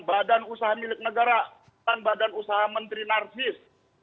badan usaha milik negara dan badan usaha menteri narsis